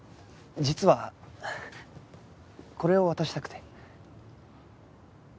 実はこれを渡したくて。